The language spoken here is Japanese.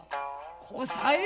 「こさえる？